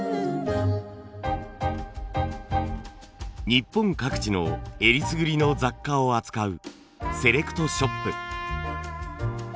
日本各地のえりすぐりの雑貨を扱うセレクトショップ。